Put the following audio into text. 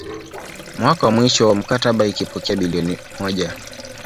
Mwaka wa mwisho wa mkataba ikipokea bilioni moja